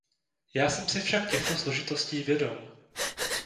Já jsem si však těchto složitostí vědom!